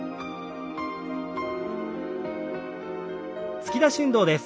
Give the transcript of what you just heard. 突き出し運動です。